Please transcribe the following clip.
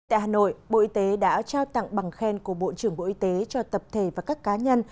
tại hà nội bộ y tế đã trao tặng bằng khen của bộ trưởng bộ y tế cho tập thể và các cá nhân